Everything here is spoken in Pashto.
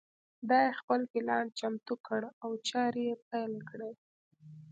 دای خپل پلان چمتو کړ او چارې پیل کړې.